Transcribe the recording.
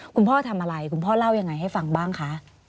คุณพ่อทำอะไรคุณพ่อเล่ายังไงให้ฟังบ้างคะ